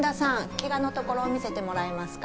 ケガの所を見せてもらえますか？